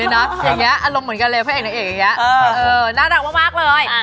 เออฮะเฮ้อน่ารักมากเลย